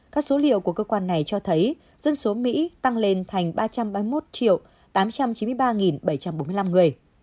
các số liệu của cơ quan này cho thấy dân số mỹ tăng lên thành ba trăm ba mươi một tám trăm chín mươi ba bảy trăm bốn mươi năm người